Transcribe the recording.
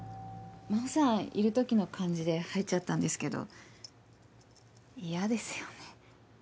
真帆さんいる時の感じで入っちゃったんですけど嫌ですよね。